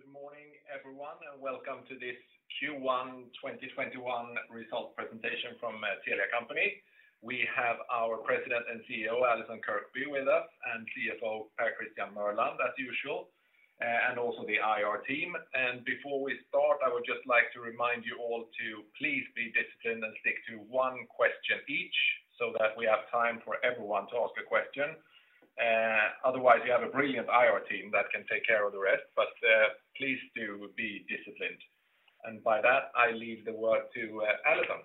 Good morning, everyone, welcome to this Q1 2021 result presentation from Telia Company. We have our President and CEO, Allison Kirkby, with us and CFO Per Christian Mørland as usual, and also the IR team. Before we start, I would just like to remind you all to please be disciplined and stick to one question each so that we have time for everyone to ask a question. Otherwise, we have a brilliant IR team that can take care of the rest, but, please do be disciplined. By that, I leave the word to Allison.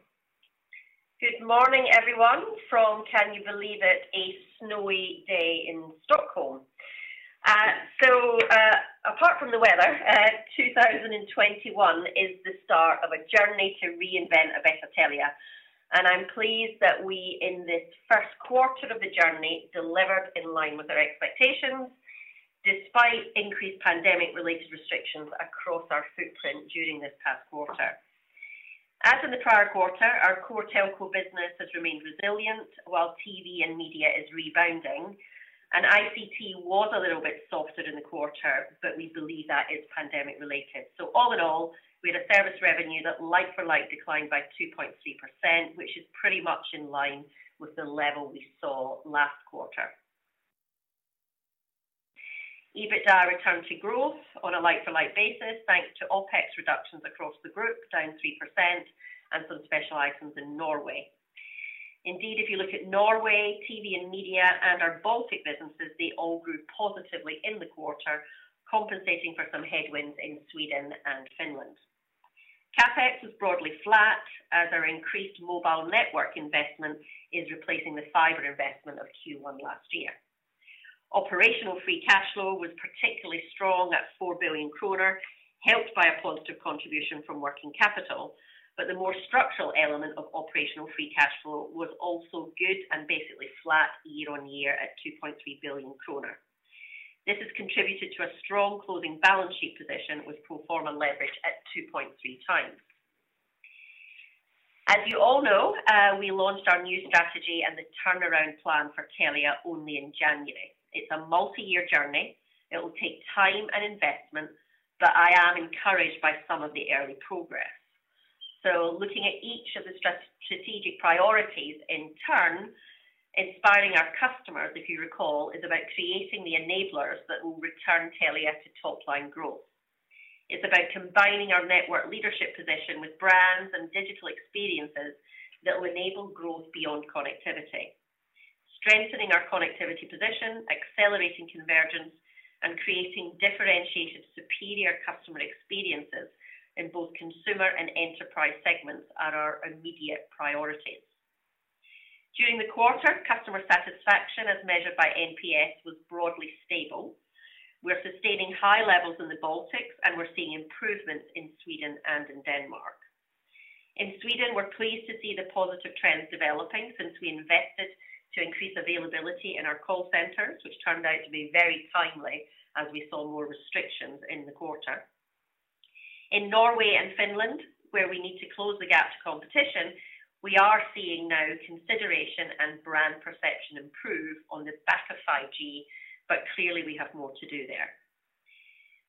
Good morning, everyone, from, can you believe it, a snowy day in Stockholm. Apart from the weather, 2021 is the start of a journey to reinvent a better Telia, and I'm pleased that we in this first quarter of the journey delivered in line with our expectations, despite increased pandemic-related restrictions across our footprint during this past quarter. As in the prior quarter, our core telco business has remained resilient while TV and media is rebounding. ICT was a little bit softer in the quarter, but we believe that is pandemic-related. All in all, we had a service revenue that like-for-like declined by 2.3%, which is pretty much in line with the level we saw last quarter. EBITDA returned to growth on a like-for-like basis, thanks to OpEx reductions across the group, down 3%, and some special items in Norway. Indeed, if you look at Norway, TV and media and our Baltic businesses, they all grew positively in the quarter, compensating for some headwinds in Sweden and Finland. CapEx was broadly flat as our increased mobile network investment is replacing the fiber investment of Q1 last year. Operational free cash flow was particularly strong at 4 billion kronor, helped by a positive contribution from working capital. The more structural element of operational free cash flow was also good and basically flat year-on-year at 2.3 billion kronor. This has contributed to a strong closing balance sheet position with pro forma leverage at 2.3x. As you all know, we launched our new strategy and the turnaround plan for Telia only in January. It's a multi-year journey. It will take time and investment, but I am encouraged by some of the early progress. Looking at each of the strategic priorities in turn, inspiring our customers, if you recall, is about creating the enablers that will return Telia to top-line growth. It's about combining our network leadership position with brands and digital experiences that will enable growth beyond connectivity. Strengthening our connectivity position, accelerating convergence, and creating differentiated, superior customer experiences in both consumer and enterprise segments are our immediate priorities. During the quarter, customer satisfaction, as measured by NPS, was broadly stable. We're sustaining high levels in the Baltics, and we're seeing improvements in Sweden and in Denmark. In Sweden, we're pleased to see the positive trends developing since we invested to increase availability in our call centers, which turned out to be very timely as we saw more restrictions in the quarter. In Norway and Finland, where we need to close the gap to competition, we are seeing now consideration and brand perception improve on the back of 5G, but clearly we have more to do there.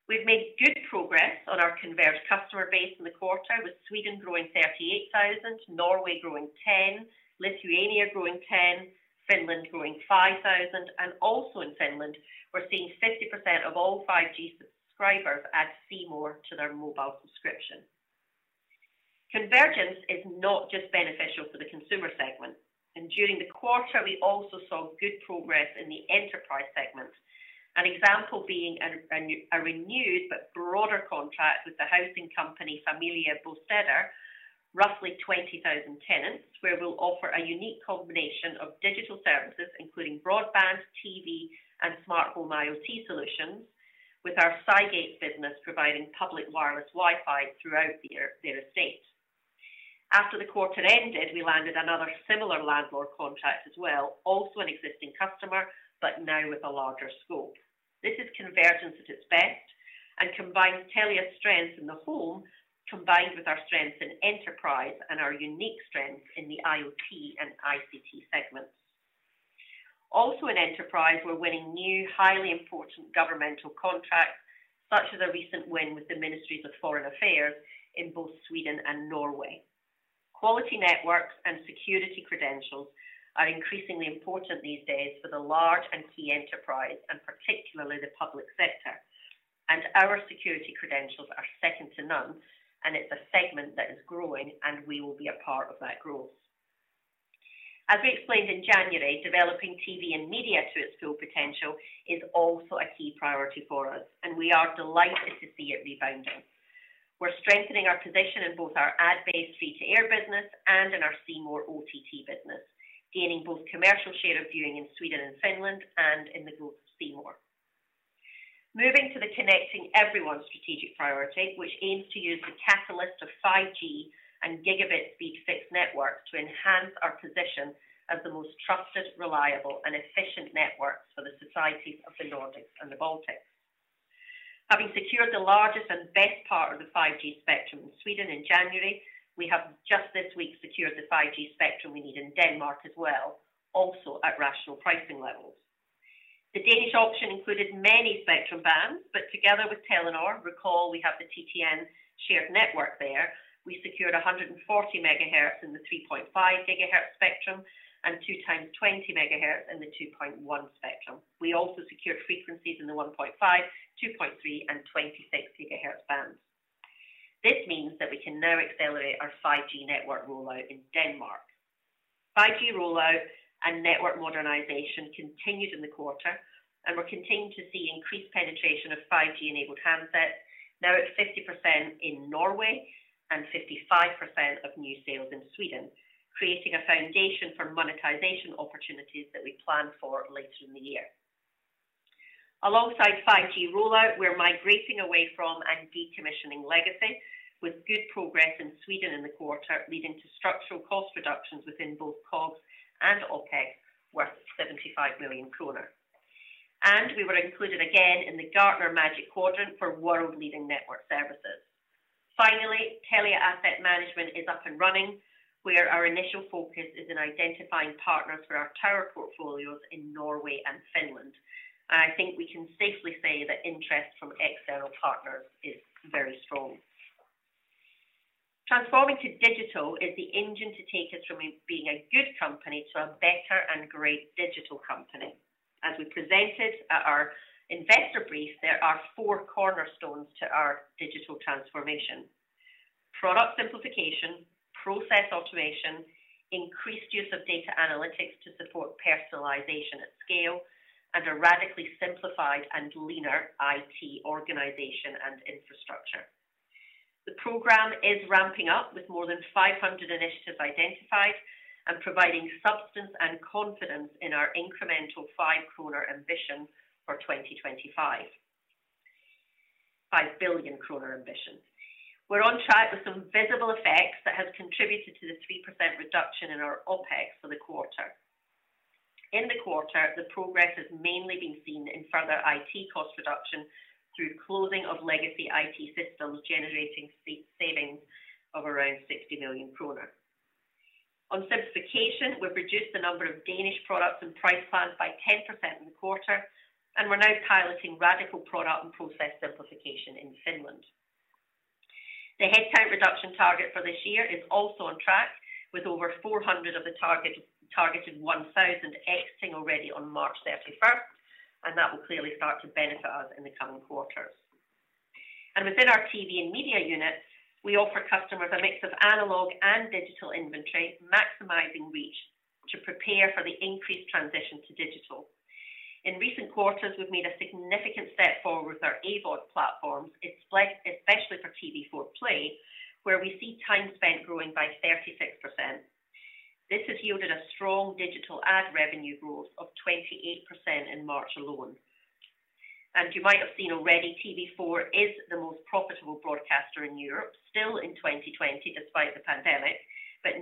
We've made good progress on our converged customer base in the quarter, with Sweden growing 38,000, Norway growing 10,000, Lithuania growing 10,000, Finland growing 5,000, and also in Finland, we're seeing 50% of all 5G subscribers add C More to their mobile subscription. Convergence is not just beneficial for the consumer segment, and during the quarter, we also saw good progress in the enterprise segment. An example being a renewed but broader contract with the housing company Familjebostäder, roughly 20,000 tenants, where we'll offer a unique combination of digital services including broadband, TV, and smart home IoT solutions with our Cygate business providing public wireless Wi-Fi throughout their estate. After the quarter ended, we landed another similar landlord contract as well, also an existing customer, but now with a larger scope. This is convergence at its best and combines Telia's strength in the home combined with our strength in enterprise and our unique strength in the IoT and ICT segments. Also in enterprise, we're winning new, highly important governmental contracts, such as a recent win with the Ministries of Foreign Affairs in both Sweden and Norway. Quality networks and security credentials are increasingly important these days for the large and key enterprise, and particularly the public sector. Our security credentials are second to none, and it's a segment that is growing, and we will be a part of that growth. As we explained in January, developing TV and media to its full potential is also a key priority for us, and we are delighted to see it rebounding. We're strengthening our position in both our ad-based free-to-air business and in our C More OTT business, gaining both commercial share of viewing in Sweden and Finland and in the growth of C More. Moving to the connecting everyone strategic priority, which aims to use the catalyst of 5G and gigabit speed fixed network to enhance our position as the most trusted, reliable, and efficient networks for the societies of the Nordics and the Baltics. Having secured the best part of the 5G spectrum in Sweden in January. We have just this week secured the 5G spectrum we need in Denmark as well, also at rational pricing levels. The Danish auction included many spectrum bands, together with Telia, recall we have the TTN shared network there. We secured 140 MHz in the 3.5 GHz spectrum and 2x20 MHz in the 2.1 spectrum. We also secured frequencies in the 1.5, 2.3, and 26 GHz bands. This means that we can now accelerate our 5G network rollout in Denmark. 5G rollout and network modernization continued in the quarter, and we're continuing to see increased penetration of 5G-enabled handsets now at 50% in Norway and 55% of new sales in Sweden, creating a foundation for monetization opportunities that we plan for later in the year. Alongside 5G rollout, we're migrating away from and decommissioning legacy, with good progress in Sweden in the quarter, leading to structural cost reductions within both COGS and OpEx worth 75 million kronor. We were included again in the Gartner Magic Quadrant for world-leading network services. Finally, Telia Asset Management is up and running, where our initial focus is in identifying partners for our tower portfolios in Norway and Finland. I think we can safely say that interest from external partners is very strong. Transforming to digital is the engine to take us from being a good company to a better and great digital company. As we presented at our investor brief, there are four cornerstones to our digital transformation. Product simplification, process automation, increased use of data analytics to support personalization at scale, and a radically simplified and leaner IT organization and infrastructure. The program is ramping up with more than 500 initiatives identified and providing substance and confidence in our incremental 5 kronor ambition for 2025. 5 billion kronor ambition. We're on track with some visible effects that have contributed to the 3% reduction in our OpEx for the quarter. In the quarter, the progress has mainly been seen in further IT cost reduction through closing of legacy IT systems, generating savings of around 60 million kronor. On simplification, we've reduced the number of Danish products and price plans by 10% in the quarter, and we're now piloting radical product and process simplification in Finland. The headcount reduction target for this year is also on track, with over 400 of the targeted 1,000 exiting already on March 31st, and that will clearly start to benefit us in the coming quarters. Within our TV and media unit, we offer customers a mix of analog and digital inventory, maximizing reach to prepare for the increased transition to digital. In recent quarters, we've made a significant step forward with our AVOD platforms, especially for TV4 Play, where we see time spent growing by 36%. This has yielded a strong digital ad revenue growth of 28% in March alone. You might have seen already, TV4 is the most profitable broadcaster in Europe, still in 2020 despite the pandemic.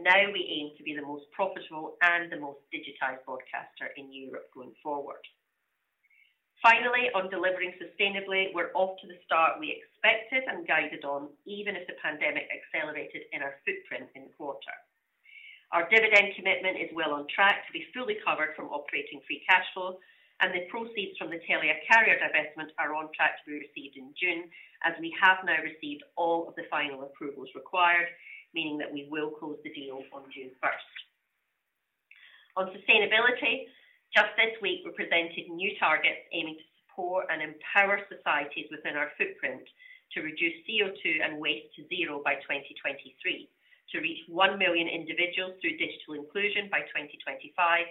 Now we aim to be the most profitable and the most digitized broadcaster in Europe going forward. Finally, on delivering sustainably, we're off to the start we expected and guided on, even if the pandemic accelerated in our footprint in the quarter. Our dividend commitment is well on track to be fully covered from operating free cash flow, and the proceeds from the Telia Carrier divestment are on track to be received in June as we have now received all of the final approvals required, meaning that we will close the deal on June 1st. On sustainability, just this week, we presented new targets aiming to support and empower societies within our footprint to reduce CO2 and waste to zero by 2023, to reach 1 million individuals through digital inclusion by 2025,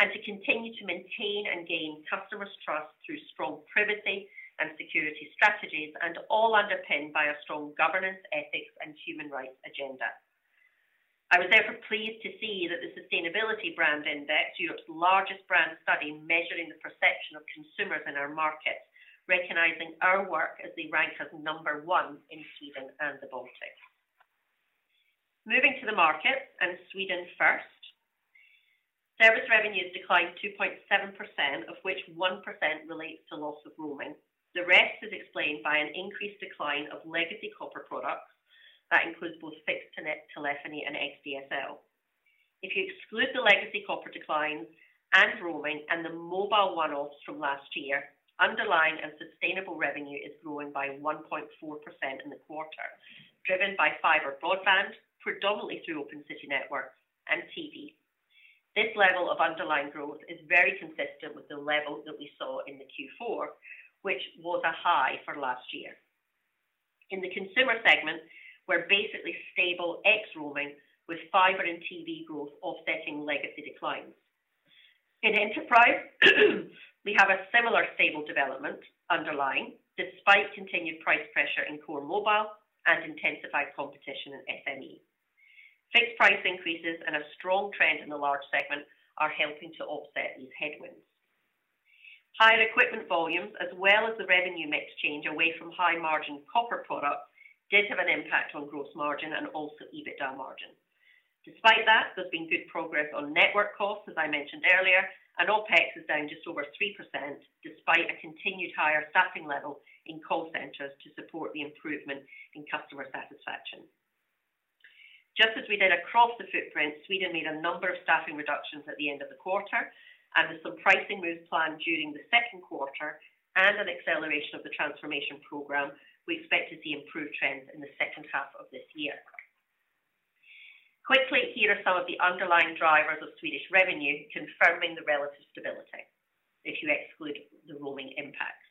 and to continue to maintain and gain customers' trust through strong privacy and security strategies, all underpinned by a strong governance, ethics, and human rights agenda. I was therefore pleased to see that the Sustainable Brand Index, Europe's largest brand study measuring the perception of consumers in our markets, recognizing our work as they rank us number 1 in Sweden and the Baltics. Moving to the market and Sweden first. Service revenues declined 2.7%, of which 1% relates to loss of roaming. The rest is explained by an increased decline of legacy copper products. That includes both fixed telephony and xDSL. If you exclude the legacy copper decline and roaming and the mobile one-offs from last year, underlying and sustainable revenue is growing by 1.4% in the quarter, driven by fiber broadband, predominantly through Open City Network and TV. This level of underlying growth is very consistent with the level that we saw in the Q4, which was a high for last year. In the consumer segment, we're basically stable ex roaming with fiber and TV growth offsetting legacy declines. In enterprise, we have a similar stable development underlying, despite continued price pressure in core mobile and intensified competition in SME. Fixed price increases and a strong trend in the large segment are helping to offset these headwinds. Higher equipment volumes as well as the revenue mix change away from high-margin copper products did have an impact on gross margin and also EBITDA margin. Despite that, there's been good progress on network costs, as I mentioned earlier, and OpEx is down just over 3%, despite a continued higher staffing level in call centers to support the improvement in customer satisfaction. Just as we did across the footprint, Sweden made a number of staffing reductions at the end of the quarter, and with some pricing moves planned during the second quarter and an acceleration of the transformation program, we expect to see improved trends in the second half of this year. Quickly, here are some of the underlying drivers of Swedish revenue, confirming the relative stability if you exclude the roaming impacts.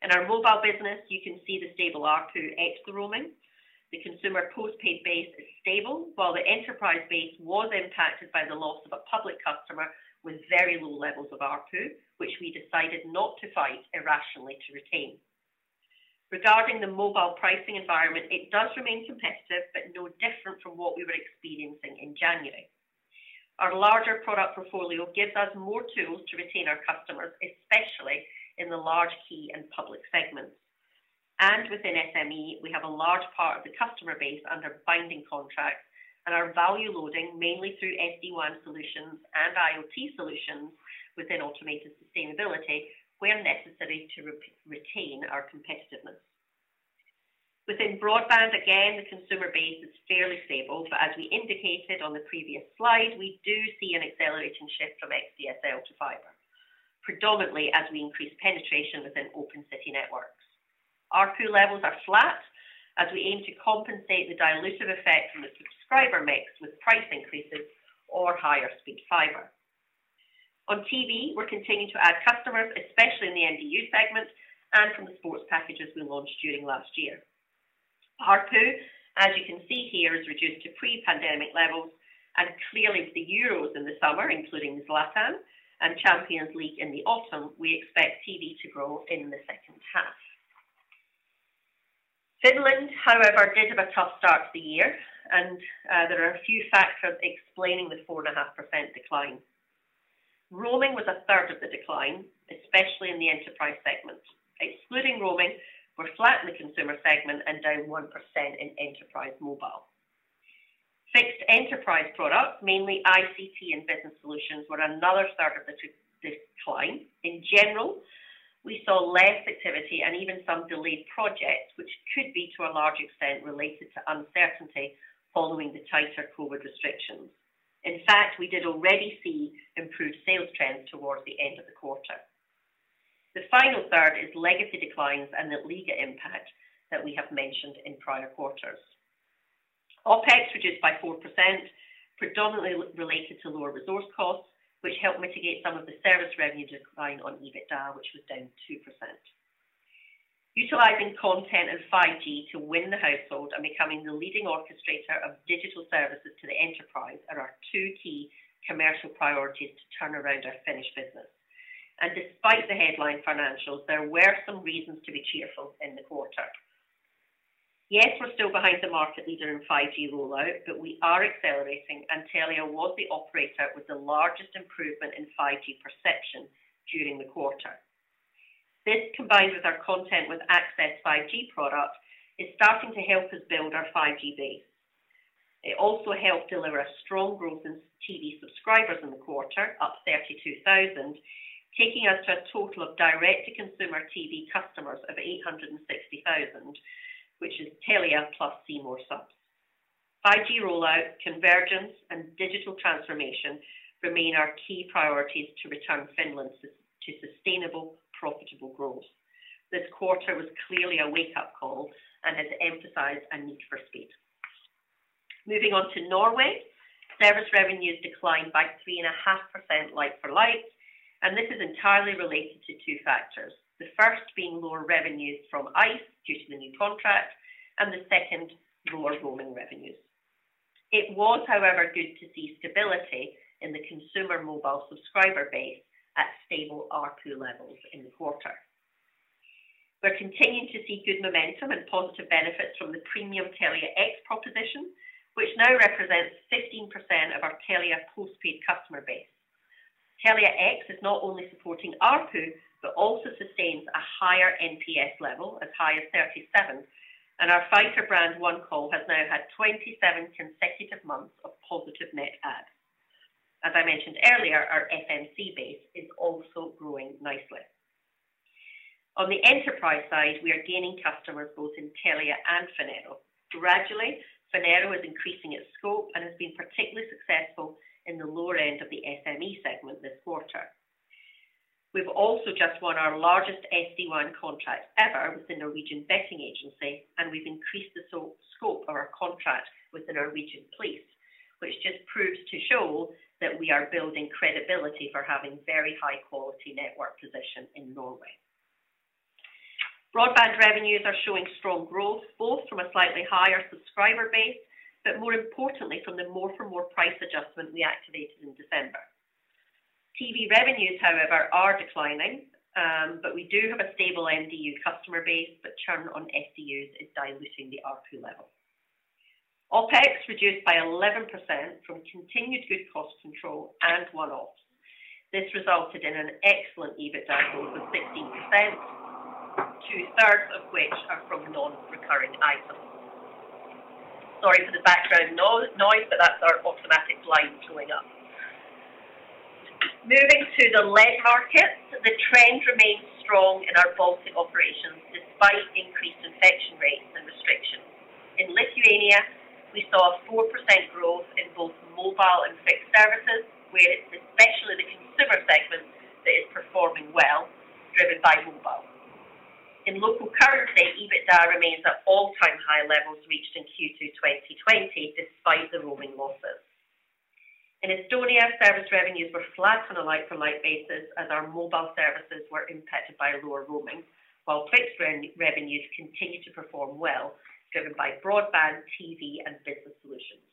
In our mobile business, you can see the stable ARPU ex the roaming. The consumer postpaid base is stable, while the enterprise base was impacted by the loss of a public customer with very low levels of ARPU, which we decided not to fight irrationally to retain. Regarding the mobile pricing environment, it does remain competitive, but no different from what we were experiencing in January. Our larger product portfolio gives us more tools to retain our customers, especially in the large key and public segments. Within SME, we have a large part of the customer base under binding contracts and are value loading, mainly through SD-WAN solutions and IoT solutions within automated sustainability, where necessary to retain our competitiveness. Within broadband, again, the consumer base is fairly stable, but as we indicated on the previous slide, we do see an accelerating shift from xDSL to fiber, predominantly as we increase penetration within Open City networks. ARPU levels are flat as we aim to compensate the dilutive effect from the subscriber mix with price increases or higher-speed fiber. On TV, we're continuing to add customers, especially in the MDU segments and from the sports packages we launched during last year. ARPU, as you can see here, is reduced to pre-pandemic levels, and clearly with the Euros in the summer, including Zlatan, and Champions League in the autumn, we expect TV to grow in the second half. Finland, however, did have a tough start to the year, and there are a few factors explaining the 4.5% decline. Roaming was a third of the decline, especially in the enterprise segment. Excluding roaming, we're flat in the consumer segment and down 1% in enterprise mobile. Fixed enterprise products, mainly ICT and business solutions, were another third of the decline. In general, we saw less activity and even some delayed projects, which could be, to a large extent, related to uncertainty following the tighter COVID restrictions. In fact, we did already see improved sales trends towards the end of the quarter. The final third is legacy declines and the Liiga impact that we have mentioned in prior quarters. OpEx reduced by 4%, predominantly related to lower resource costs, which helped mitigate some of the service revenue decline on EBITDA, which was down 2%. Utilizing content and 5G to win the household and becoming the leading orchestrator of digital services to the enterprise are our two key commercial priorities to turn around our Finnish business. Despite the headline financials, there were some reasons to be cheerful in the quarter. Yes, we're still behind the market leader in 5G rollout, but we are accelerating, and Telia was the operator with the largest improvement in 5G perception during the quarter. This, combined with our content with access 5G product, is starting to help us build our 5G base. It also helped deliver a strong growth in TV subscribers in the quarter, up 32,000, taking us to a total of direct-to-consumer TV customers of 860,000, which is Telia plus C More subs. 5G rollout, convergence, and digital transformation remain our key priorities to return Finland to sustainable, profitable growth. This quarter was clearly a wake-up call and has emphasized a need for speed. Moving on to Norway. Service revenues declined by 3.5% like-for-like, and this is entirely related to two factors. The first being lower revenues from Ice due to the new contract, and the second, lower roaming revenues. It was, however, good to see stability in the consumer mobile subscriber base at stable ARPU levels in the quarter. We're continuing to see good momentum and positive benefits from the premium Telia X proposition, which now represents 15% of our Telia postpaid customer base. Telia X is not only supporting ARPU, but also sustains a higher NPS level, as high as 37, and our fighter brand OneCall has now had 27 consecutive months of positive net add. As I mentioned earlier, our FMC base is also growing nicely. On the enterprise side, we are gaining customers both in Telia and Phonero. Gradually, Phonero is increasing its scope and has been particularly successful in the lower end of the SME segment this quarter. We've also just won our largest SD-WAN contract ever with Norsk Tipping, and we've increased the scope of our contract with the Norwegian Police Service, which just proves to show that we are building credibility for having very high-quality network position in Norway. Broadband revenues are showing strong growth, both from a slightly higher subscriber base, but more importantly, from the more-for-more price adjustment we activated in December. TV revenues, however, are declining, but we do have a stable MDU customer base, but churn on SDUs is diluting the ARPU level. OpEx reduced by 11% from continued good cost control and one-offs. This resulted in an excellent EBITDA growth of 15%, two-thirds of which are from non-recurring items. Sorry for the background noise, but that's our automatic blinds going up. Moving to the Baltic market, the trend remains strong in our Baltic operations despite increased infection rates and restrictions. In Lithuania, we saw a 4% growth in both mobile and fixed services, where it's especially the consumer segment that is performing well, driven by mobile. In local currency, EBITDA remains at all-time high levels reached in Q2 2020, despite the roaming losses. In Estonia, service revenues were flat on a like-for-like basis as our mobile services were impacted by lower roaming, while fixed revenues continued to perform well, driven by broadband, TV, and business solutions.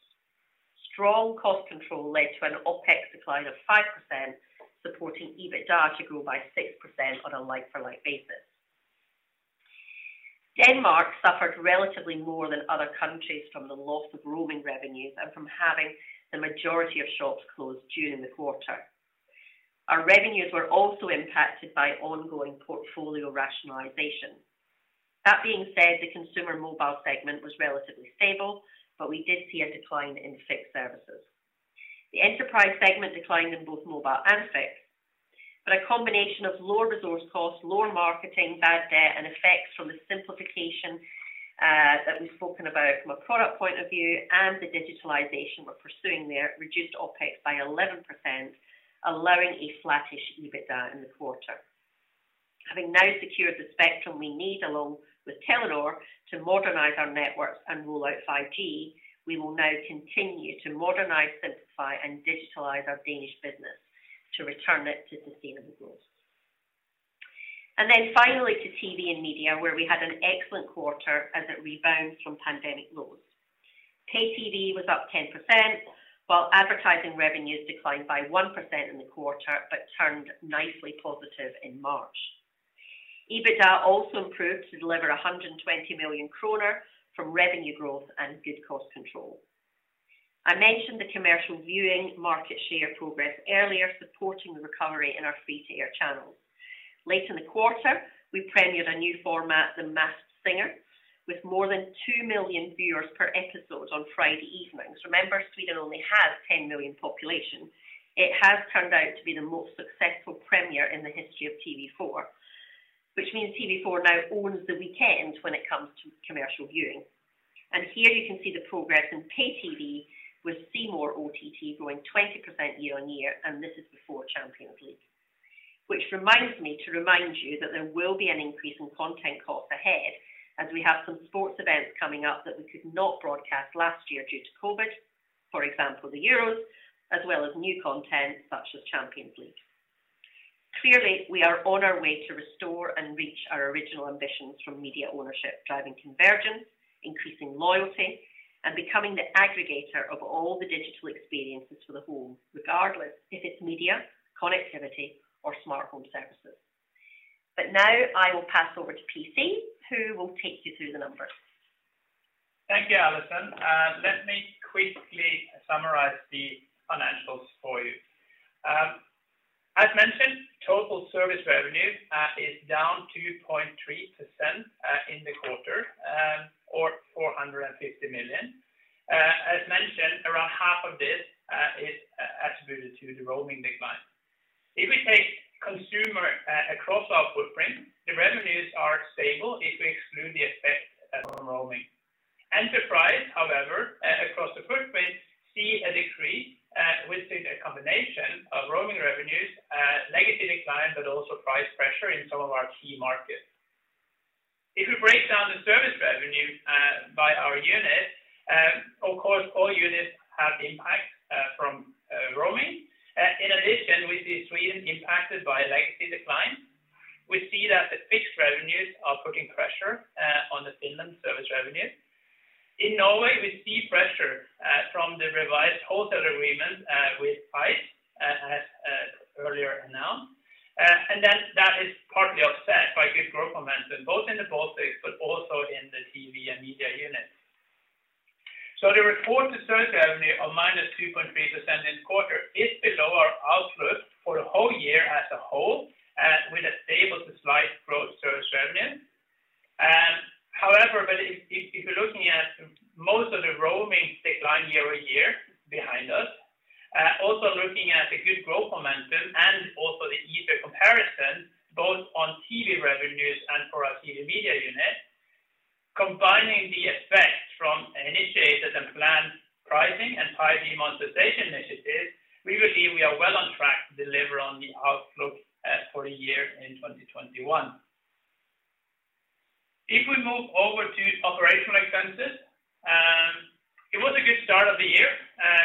Strong cost control led to an OpEx decline of 5%, supporting EBITDA to grow by 6% on a like-for-like basis. Denmark suffered relatively more than other countries from the loss of roaming revenues and from having the majority of shops closed during the quarter. Our revenues were also impacted by ongoing portfolio rationalization. That being said, the consumer mobile segment was relatively stable, but we did see a decline in fixed services. The enterprise segment declined in both mobile and fixed, but a combination of lower resource costs, lower marketing, bad debt, and effects from the simplification, that we've spoken about from a product point of view and the digitalization we're pursuing there reduced OpEx by 11%, allowing a flattish EBITDA in the quarter. Having now secured the spectrum we need, along with Telenor, to modernize our networks and roll out 5G, we will now continue to modernize, simplify, and digitalize our Danish business to return it to sustainable growth. Finally to TV and media, where we had an excellent quarter as it rebounds from pandemic lows. Pay TV was up 10%, while advertising revenues declined by 1% in the quarter but turned nicely positive in March. EBITDA also improved to deliver 120 million kronor from revenue growth and good cost control. I mentioned the commercial viewing market share progress earlier, supporting the recovery in our free-to-air channels. Late in the quarter, we premiered a new format, "The Masked Singer," with more than 2 million viewers per episode on Friday evenings. Remember, Sweden only has 10 million population. It has turned out to be the most successful premiere in the history of TV4, which means TV4 now owns the weekend when it comes to commercial viewing. Here you can see the progress in pay TV with C More OTT growing 20% year-over-year, and this is before Champions League. Which reminds me to remind you that there will be an increase in content costs ahead as we have some sports events coming up that we could not broadcast last year due to COVID, for example, the Euros, as well as new content such as Champions League. Clearly, we are on our way to restore and reach our original ambitions from media ownership, driving convergence, increasing loyalty, and becoming the aggregator of all the digital experiences for the home, regardless if it's media, connectivity, or smart home services. Now I will pass over to PC, who will take you through the numbers. Thank you, Allison. Let me quickly summarize the financials for you. As mentioned, total service revenue is down 2.3% in the quarter or 450 million. As mentioned, around half of this is attributed to the roaming decline. If we take consumer across our footprint, the revenues are stable if we exclude the effect from roaming. Enterprise, however, across the footprint, see a decrease within a combination of roaming revenues, legacy decline, but also price pressure in some of our key markets. If we break down the service revenue by our unit, of course, all units have impact from roaming. In addition, we see Sweden impacted by legacy decline. We see that the fixed revenues are putting pressure on the Finland service revenue. In Norway, we see pressure from the revised wholesale agreement with Ice, as earlier announced. That is partly offset by good growth momentum, both in the Baltics but also in the TV and media unit. The reported service revenue of -2.3% in the quarter is below our outlook for the whole year as a whole, with a stable to slight growth service revenue. If you're looking at most of the roaming decline year-over-year behind us, also looking at the good growth momentum and also the easier comparison both on TV revenues and for our TV media unit, combining the effects from initiated and planned pricing and 5G monetization initiatives, we believe we are well on track to deliver on the outlook for the year in 2021. If we move over to operational expenses, it was a good start of the year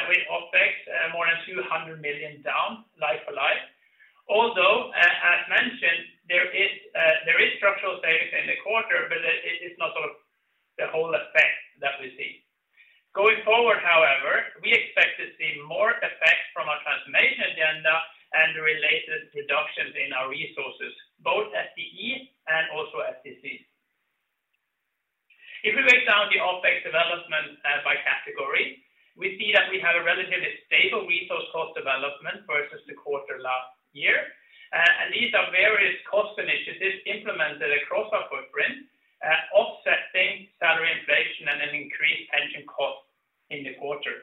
with OpEx more than 200 million down like for like. As mentioned, there are structural savings in the quarter, but it is not the whole effect that we see. Going forward, however, we expect to see more effect from our transformation agenda and the related reductions in our resources, both FTEs and TCs. If we break down the OpEx development by category, we see that we have a relatively stable resource cost development versus the quarter last year. These are various cost initiatives implemented across our footprint, offsetting salary inflation and an increased pension cost in the quarter.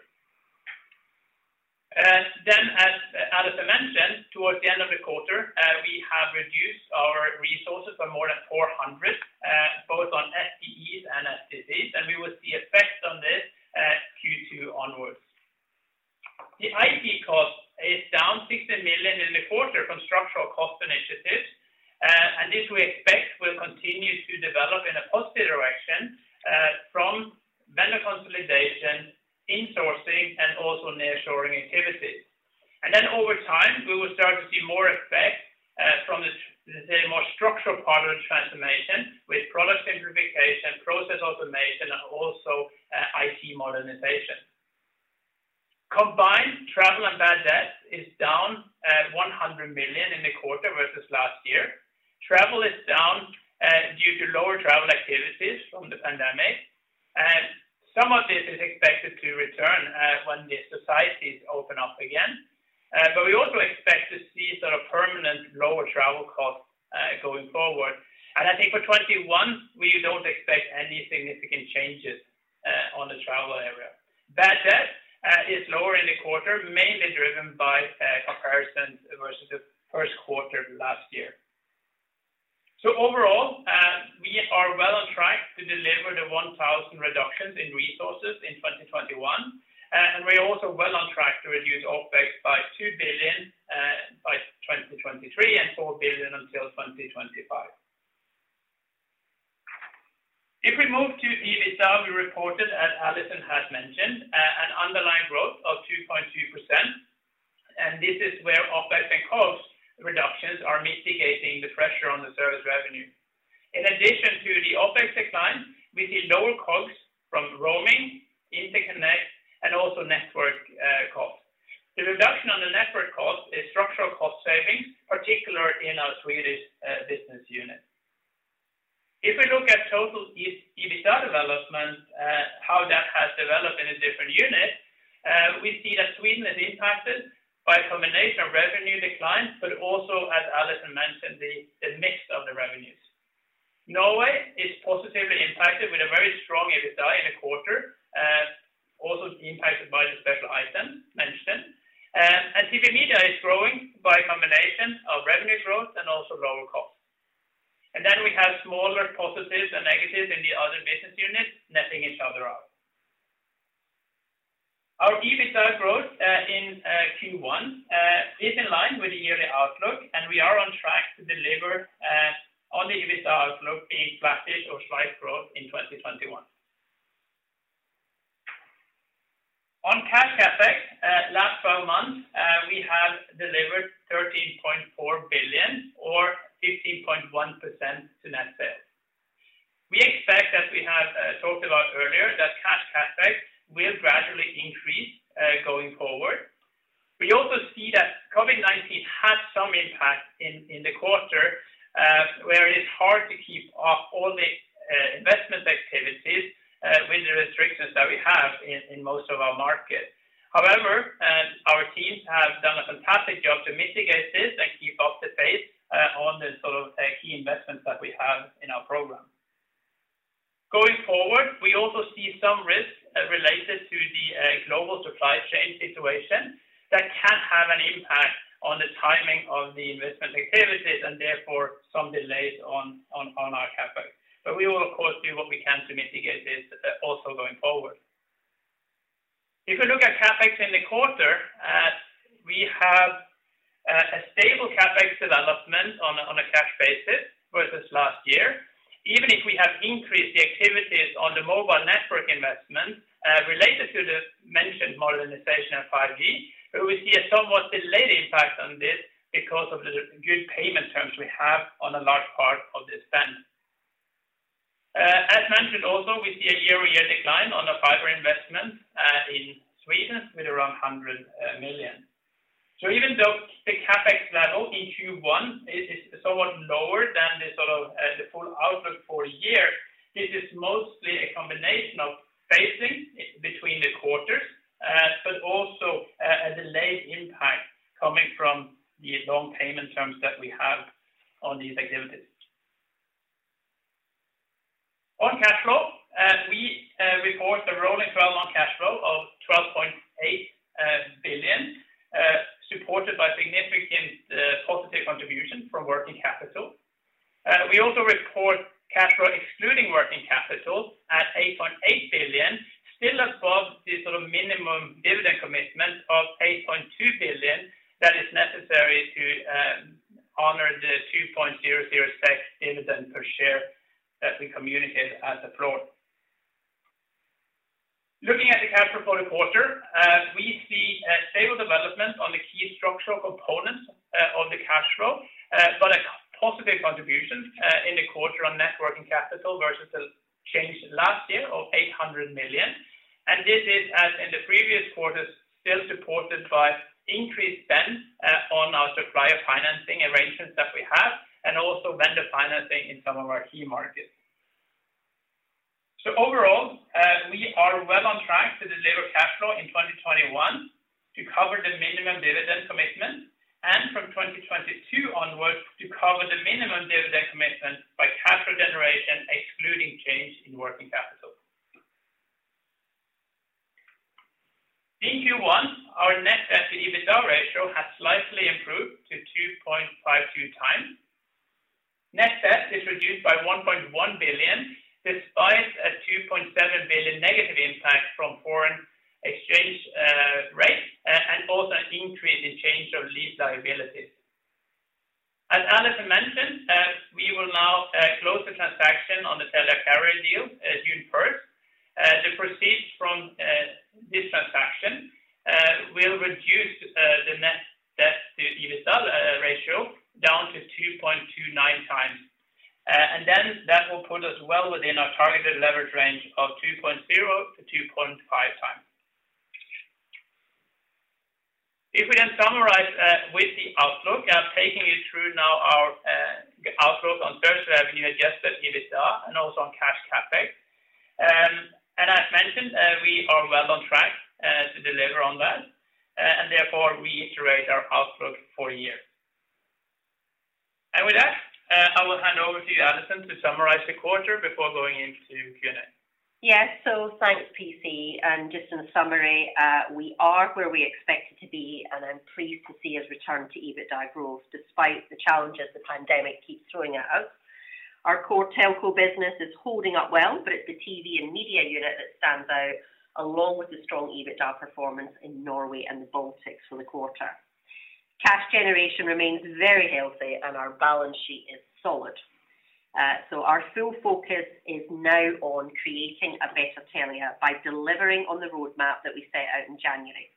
As Allison mentioned, towards the end of the quarter, we have reduced our resources by more than 400, both on FTEs and TCs, and we will see effects on this Q2 onwards. The IT cost is down 60 million in the quarter from structural cost initiatives. This we expect will continue to develop in a positive direction from vendor consolidation, insourcing, and also nearshoring activities. Over time, we will start to see more effect from the more structural part of the transformation with product simplification, process automation, and also IT modernization. Combined travel and bad debt is down 100 million in the quarter versus last year. Travel is down due to lower travel activities from the pandemic. Some of this is expected to return when the societies open up again. We also expect to see permanent lower travel costs going forward. I think for 2021, we don't expect any significant changes on the travel area. Bad debt is lower in the quarter, mainly driven by comparison versus first quarter last year. Overall, we are well on track to deliver the 1,000 reductions in resources in 2021. We're also well on track to reduce OpEx by 2 billion by 2023 and 4 billion until 2025. If we move to EBITDA, we reported, as Allison has mentioned, an underlying growth of 2.2%. This is where OpEx and COGS reductions are mitigating the pressure on the service revenue. In addition to the OpEx decline, we see lower COGS from roaming, interconnect, and also network costs. The reduction on the network cost is structural cost savings, particularly in our Swedish business unit. If we look at total EBITDA development, how that has developed in a different unit, we see that Sweden is impacted by a combination of revenue declines, but also, as Allison mentioned, the mix of the revenues. Norway is positively impacted with a very strong EBITDA in the quarter, also impacted by the special item mentioned. TV Media is growing by a combination of revenue growth and also lower costs. We have smaller positives and negatives in the other business units, netting each other out. Our EBITDA growth in Q1 is in line with the yearly outlook, and we are on track to deliver on the EBITDA outlook being flat-ish or slight growth in 2021. On cash CapEx, last 12 months, we have delivered 13.4 billion or 15.1% to net sales. We expect, as we have talked about earlier, that cash CapEx will gradually increase going forward. We also see that COVID-19 had some impact in the quarter, where it's hard to keep up all the investment activities with the restrictions that we have in most of our markets. Our teams have done a fantastic job to mitigate this and keep up the pace on the key investments that we have in our program. Going forward, we also see some risks related to the global supply chain situation that can have an impact on the timing of the investment activities and therefore some delays on our CapEx. We will, of course, do what we can to mitigate this also going forward. If you look at CapEx in the quarter, we have a stable CapEx development on a cash basis versus last year. Even if we have increased the activities on the mobile network investment related to the mentioned modernization of 5G, we see a somewhat delayed impact on this because of the good payment terms we have on a large part of the spend. As mentioned also, we see a year-over-year decline on a fiber investment in Sweden with around 100 million. Even though the CapEx level in Q1 is somewhat lower than the full outlook for a year, this is mostly a combination of phasing between the quarters, but also a delayed impact coming from the long payment terms that we have on these activities. On cash flow, we report the rolling 12-month cash flow of 12.8 billion, supported by significant positive contribution from working capital. We also report cash flow excluding working capital at 8.8 billion, still above the minimum dividend commitment of 8.2 billion that is necessary to honor the 2.00 dividend per share that we communicated as a floor. Looking at the cash flow for the quarter, we see a stable development on the key structural components of the cash flow, but a positive contribution in the quarter on net working capital versus the change last year of 800 million. This is, as in the previous quarters, still supported by increased spend on our supplier financing arrangements that we have, and also vendor financing in some of our key markets. Overall, we are well on track to deliver cash flow in 2021 to cover the minimum dividend commitment, and from 2022 onwards to cover the minimum dividend commitment by cash flow generation, excluding change in working capital. In Q1, our net debt to EBITDA ratio has slightly improved to 2.52x. Net debt is reduced by 1.1 billion, despite a 2.7 billion negative impact from foreign exchange rates and also an increase in change of lease liabilities. As Allison mentioned, we will now close the transaction on the Telia Carrier deal June 1st. The proceeds from this transaction will reduce the net debt to EBITDA ratio down to 2.29x. That will put us well within our targeted leverage range of 2.0x-2.5x. If we summarize with the outlook, taking you through now our outlook on service revenue, adjusted EBITDA, and also on cash CapEx. As mentioned, we are well on track to deliver on that, and therefore we iterate our outlook for the year. With that, I will hand over to you, Allison, to summarize the quarter before going into Q&A. Yes. Thanks, PC. Just in summary, we are where we expected to be, and I'm pleased to see us return to EBITDA growth despite the challenges the pandemic keeps throwing at us. Our core telco business is holding up well, but it's the TV and media unit that stands out, along with the strong EBITDA performance in Norway and the Baltics for the quarter. Cash generation remains very healthy, our balance sheet is solid. Our full focus is now on creating a better Telia by delivering on the roadmap that we set out in January.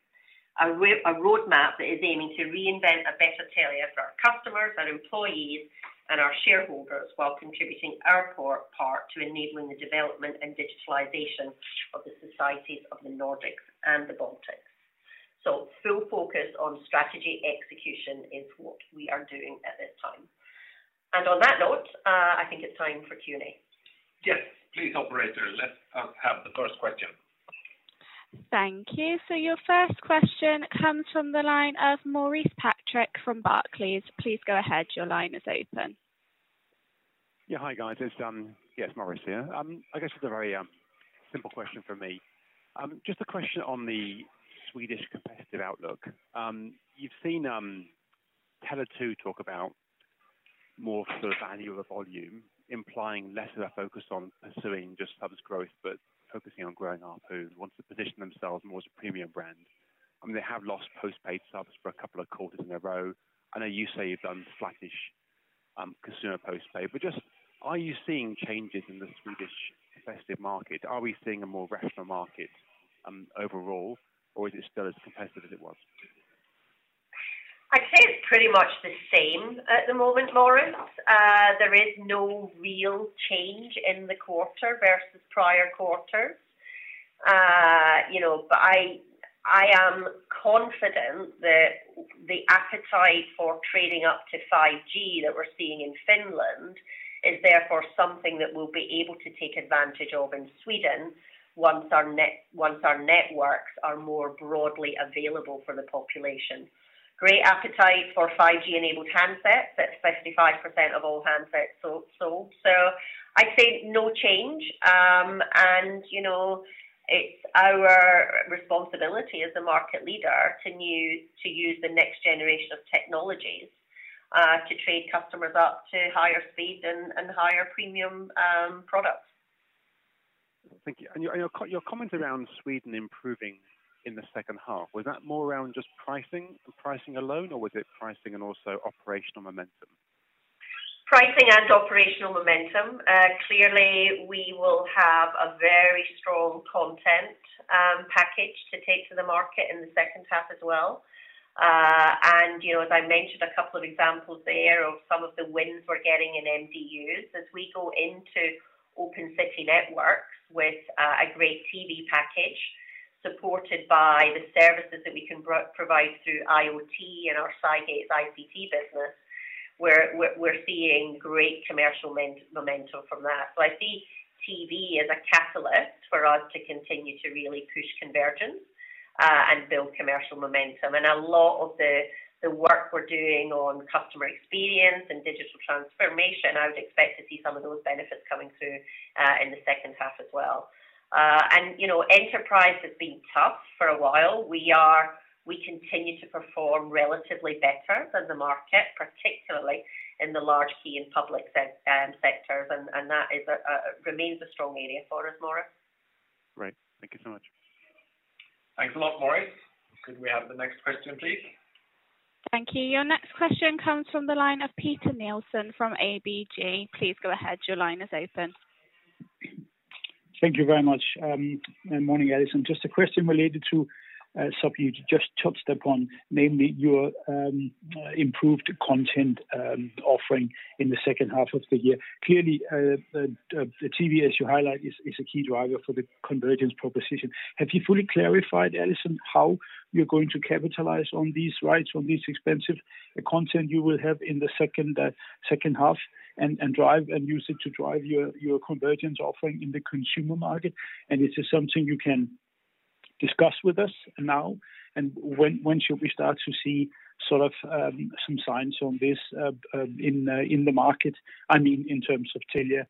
A roadmap that is aiming to reinvent a better Telia for our customers, our employees, and our shareholders while contributing our part to enabling the development and digitalization of the societies of the Nordics and the Baltics. Full focus on strategy execution is what we are doing at this time. On that note, I think it's time for Q&A. Yes. Please, operator, let's have the first question. Thank you. Your first question comes from the line of Maurice Patrick from Barclays. Please go ahead. Hi, guys. It's Maurice here. I guess just a very simple question from me. Just a question on the Swedish competitive outlook. You've seen Tele2 talk about more sort of value over volume, implying less of a focus on pursuing just subs growth, but focusing on growing ARPU, wants to position themselves more as a premium brand. They have lost post-paid subs for a couple of quarters in a row. I know you say you've done flattish consumer post-paid, just are you seeing changes in the Swedish competitive market? Are we seeing a more rational market overall, or is it still as competitive as it was? I'd say it's pretty much the same at the moment, Maurice. There is no real change in the quarter versus prior quarters. I am confident that the appetite for trading up to 5G that we're seeing in Finland is therefore something that we'll be able to take advantage of in Sweden once our networks are more broadly available for the population. Great appetite for 5G-enabled handsets. That's 55% of all handsets sold. I'd say no change. It's our responsibility as the market leader to use the next generation of technologies to trade customers up to higher speed and higher premium products. Thank you. Your comment around Sweden improving in the second half, was that more around just pricing alone, or was it pricing and also operational momentum? Pricing and operational momentum. Clearly, we will have a very strong content package to take to the market in the second half as well. As I mentioned, a couple of examples there of some of the wins we're getting in MDU. As we go into Open City Network with a great TV package supported by the services that we can provide through IoT and our Cygate ICT business, we're seeing great commercial momentum from that. I see TV as a catalyst for us to continue to really push convergence, and build commercial momentum. A lot of the work we're doing on customer experience and digital transformation, I would expect to see some of those benefits coming through in the second half as well. Enterprise has been tough for a while. We continue to perform relatively better than the market, particularly in the large key and public sectors, and that remains a strong area for us, Maurice. Great. Thank you so much. Thanks a lot, Maurice. Could we have the next question, please? Thank you. Your next question comes from the line of Peter Nielsen from ABG. Please go ahead. Your line is open. Thank you very much. Morning, Allison. Just a question related to something you just touched upon, namely your improved content offering in the second half of the year. Clearly, the TV, as you highlight, is a key driver for the convergence proposition. Have you fully clarified, Allison, how you're going to capitalize on these rights, on this expensive content you will have in the second half, and use it to drive your convergence offering in the consumer market? Is this something you can discuss with us now? When should we start to see some signs on this in the market, in terms of Telia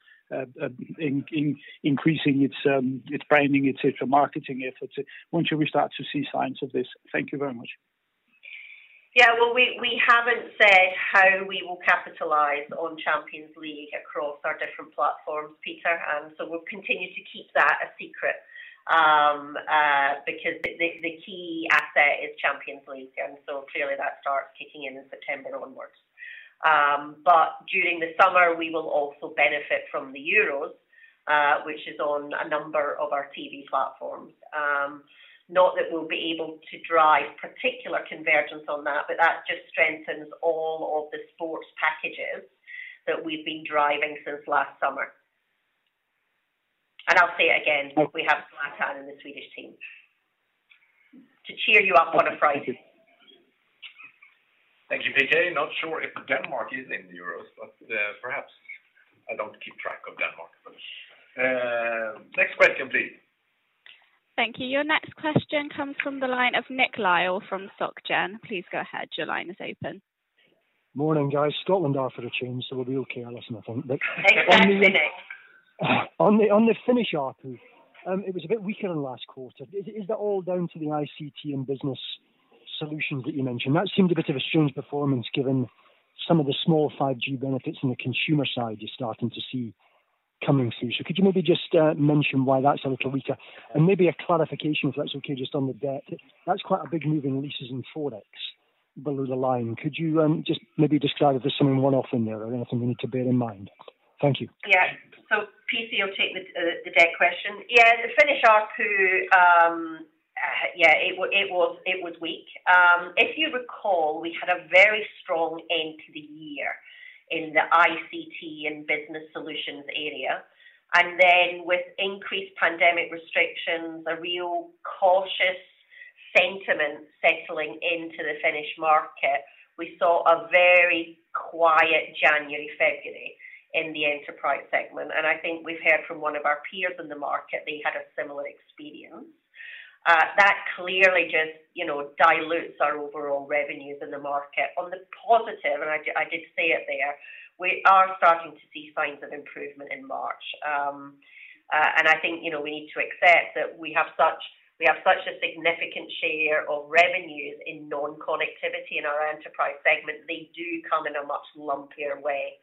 increasing its branding, et cetera, marketing efforts? When should we start to see signs of this? Thank you very much. Well, we haven't said how we will capitalize on Champions League across our different platforms, Peter. We'll continue to keep that a secret. The key asset is Champions League. Clearly that starts kicking in in September onwards. During the summer, we will also benefit from the Euros, which is on a number of our TV platforms. Not that we'll be able to drive particular convergence on that just strengthens all of the sports packages that we've been driving since last summer. I'll say it again, we have Zlatan in the Swedish team to cheer you up on a Friday. Thank you, Peter. Not sure if Denmark is in the Euros, but perhaps. I don't keep track of Denmark. Next question, please. Thank you. Your next question comes from the line of Nick Lyall from Société Générale. Please go ahead. Your line is open. Morning, guys. Scotland are through too, so we'll be okay, Allison, I think. Exactly, Nick. On the Finnish ARPU, it was a bit weaker than last quarter. Is that all down to the ICT and business solutions that you mentioned? That seemed a bit of a strange performance given some of the small 5G benefits in the consumer side you're starting to see coming through. Could you maybe just mention why that's a little weaker? Maybe a clarification, if that's okay, just on the debt. That's quite a big move in leases and forex below the line. Could you just maybe describe if there's something one-off in there or anything we need to bear in mind? Thank you. Yeah. PC will take the debt question. Yeah, the Finnish ARPU, it was weak. If you recall, we had a very strong end to the year in the ICT and business solutions area. Then with increased pandemic restrictions, a real cautious sentiment settling into the Finnish market. We saw a very quiet January, February in the enterprise segment. I think we've heard from one of our peers in the market, they had a similar experience. That clearly just dilutes our overall revenues in the market. On the positive, and I did say it there, we are starting to see signs of improvement in March. I think, we need to accept that we have such a significant share of revenues in non-connectivity in our enterprise segment. They do come in a much lumpier way.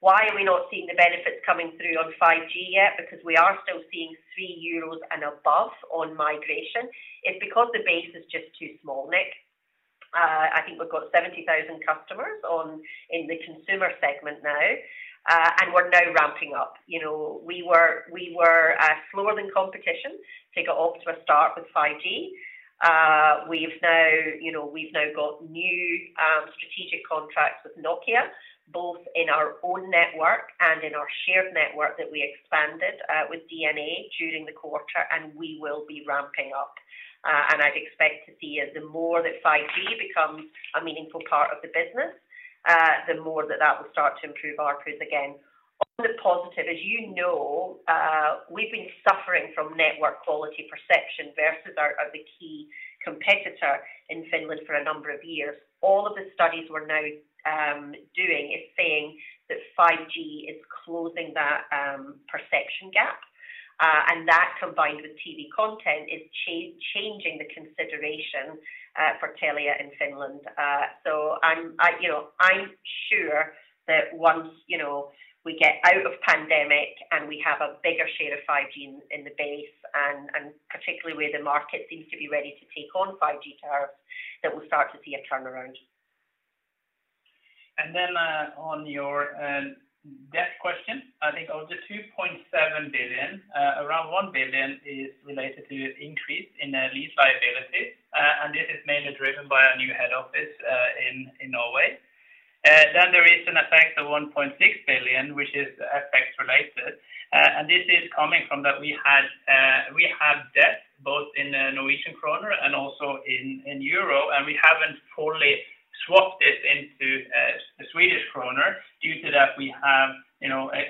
Why are we not seeing the benefits coming through on 5G yet? We are still seeing 3 euros and above on migration. It's because the base is just too small, Nick. I think we've got 70,000 customers in the consumer segment now, and we're now ramping up. We were slower than competition to get off to a start with 5G. We've now got new strategic contracts with Nokia, both in our own network and in our shared network that we expanded with DNA during the quarter, and we will be ramping up. I'd expect to see as the more that 5G becomes a meaningful part of the business, the more that that will start to improve ARPUs again. On the positive, as you know, we've been suffering from network quality perception versus our key competitor in Finland for a number of years. All of the studies we're now doing is saying that 5G is closing that perception gap. That combined with TV content is changing the consideration for Telia in Finland. I'm sure that once we get out of pandemic and we have a bigger share of 5G in the base, and particularly where the market seems to be ready to take on 5G tariffs, that we'll start to see a turnaround. Then on your debt question, I think of the 2.7 billion, around 1 billion is related to increase in lease liability. This is mainly driven by a new head office in Norway. There is an effect of 1.6 billion, which is FX related. This is coming from that we have debt both in Norwegian kroner and also in EUR, and we haven't fully swapped it into the Swedish kroner. Due to that, we have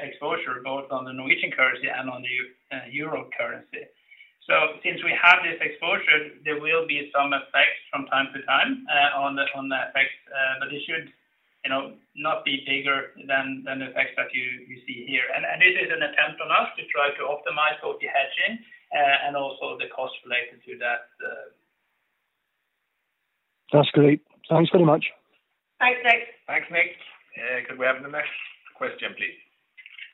exposure both on the Norwegian currency and on the EUR currency. Since we have this exposure, there will be some effects from time to time on the effects, but it should not be bigger than the effects that you see here. This is an attempt on us to try to optimize both the hedging and also the cost related to that. That's great. Thanks very much. Thanks, Nick. Thanks, Nick. Could we have the next question, please?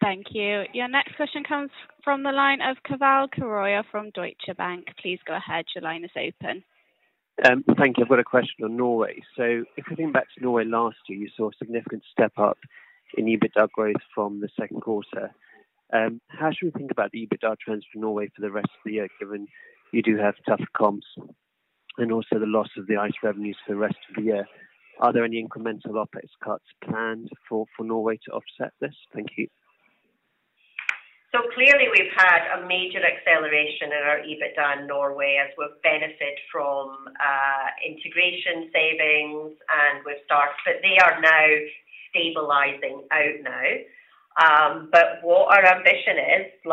Thank you. Your next question comes from the line of Keval Khiroya from Deutsche Bank. Please go ahead. Your line is open. Thank you. I have got a question on Norway. If we think back to Norway last year, you saw a significant step up in EBITDA growth from the second quarter. How should we think about the EBITDA trends for Norway for the rest of the year, given you do have tough comps and also the loss of the Ice revenues for the rest of the year? Are there any incremental OpEx cuts planned for Norway to offset this? Thank you. Clearly we've had a major acceleration in our EBITDA in Norway as we've benefited from integration savings, and we've started. They are now stabilizing out now. What our ambition is